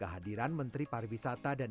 kehadiran menteri pariwisata dan